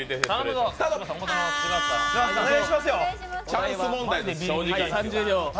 チャンス問題です、正直。